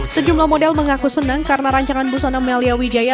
sejumlah model mengaku senang karena rancangan busana melia wijaya